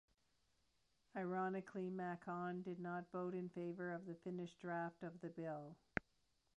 Ironically, Macon did not vote in favor of the finished draft of the bill.